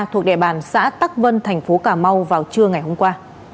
thuộc địa bàn xã tắc vân thành phố cà mau vào trưa ngày hôm qua